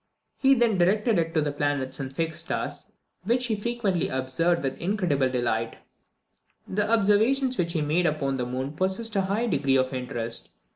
He then directed it to the planets and the fixed stars, which he frequently observed with "incredible delight." Incredibili animi jucunditate. The observations which he made upon the moon possessed a high degree of interest.